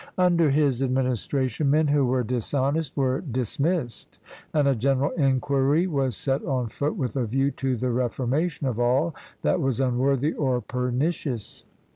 Under his administration, men who were dishonest were dis missed, and a general inquiry was set on foot with a view to the reformation of all that was unworthy or perni cious.